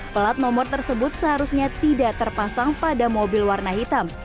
pelat nomor tersebut seharusnya tidak terpasang pada mobil warna hitam